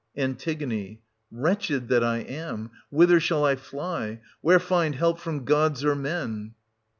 An. Wretched that I am! whither shall I fly?— where find help from gods or men